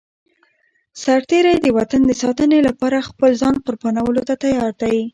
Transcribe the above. سرتېری د وطن د ساتنې لپاره خپل ځان قربانولو ته تيار دی.